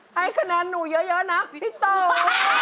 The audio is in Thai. ให้คะแนนหนูเยอะนะพี่โต